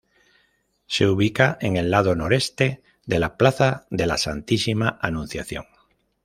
Se ubica en el lado noreste de la plaza de la Santísima Anunciación.